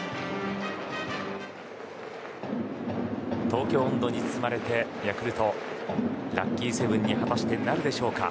「東京音頭」に包まれてヤクルトラッキーセブンに果たしてなるでしょうか。